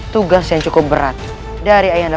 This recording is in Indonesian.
tugas yang cukup berat dari ayana